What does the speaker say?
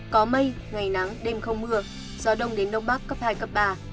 có mây ngày nắng đêm không mưa gió đông đến đông bắc cấp hai cấp ba